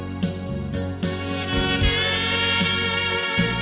aku berssing seluar yang mainan ku